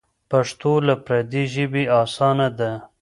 پښتو له پردۍ ژبې اسانه ده.